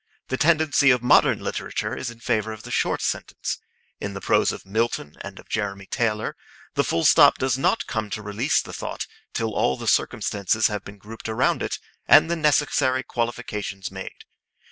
The tendency of modern literature is in favour of the short sentence. In the prose of Milton and of Jeremy Taylor, the full stop does not come to release the thought till all the circumstances have been grouped around it, and the necessary qualifications made.